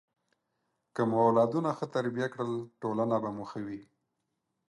که مو اولادونه ښه تربیه کړل، ټولنه به مو ښه وي.